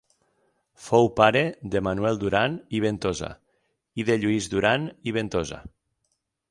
Fou pare de Manuel Duran i Ventosa i de Lluís Duran i Ventosa.